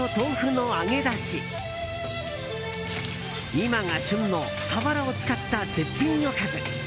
今が旬のサワラを使った絶品おかず。